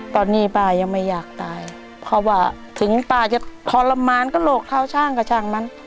ตอนนี้ป้ายังไม่อยากตายเพราะว่าถึงป้าจะทรมานกระโหลกข้าวช่างกับช่างมัน